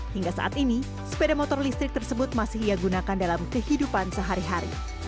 hingga saat ini sepeda motor listrik tersebut masih ia gunakan dalam kehidupan sehari hari